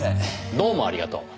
どうもありがとう。